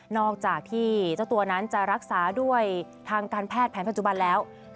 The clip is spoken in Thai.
อกจากที่เจ้าตัวนั้นจะรักษาด้วยทางการแพทย์แผนปัจจุบันแล้ว